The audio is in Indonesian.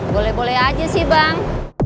boleh boleh aja sih bang